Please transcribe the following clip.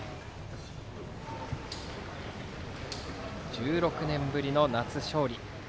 １６年ぶりの夏勝利。